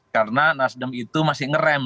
karena nasdem itu masih ngerem